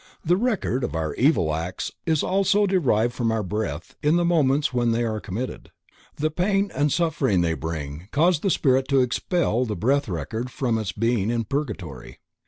The record of our evil acts is also derived from our breath in the moments when they were committed. The pain and suffering they bring cause the spirit to expel the breath record from its being in Purgatory.